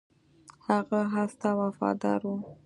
هغه اس ته وفادار و.